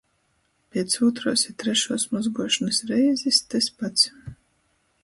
Piec ūtruos i trešuos mozguošonys reizis tys pats.